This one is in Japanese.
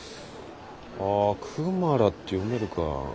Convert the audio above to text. あクマラって読めるか。